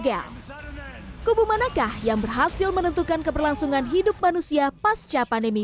kedua sosok ini mengajak orang yang selamat dari wabah untuk membentuk populasi masyarakat baru pasca pandemi